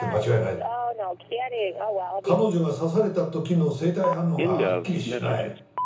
彼女が刺された時の生体反応がはっきりしない。